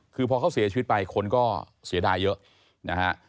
คือพอเขาเสียชีวิตไปคนก็เสียดายเยอะนะฮะ